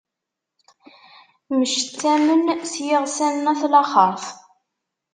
Mcettamen s yiɣsan n at laxert.